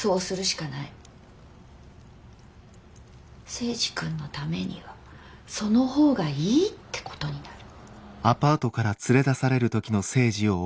征二君のためにはその方がいいってことになる。